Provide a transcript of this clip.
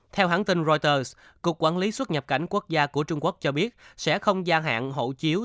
theo hãng tin reuters cục quản lý xuất nhập cảnh quốc gia của trung quốc cho biết sẽ không gia hạn hộ chiếu